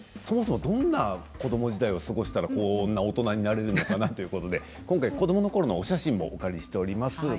そもそもどんな子供時代を過ごしたらこんな大人になれるのかなということで今回子供の頃のお写真もお借りしております。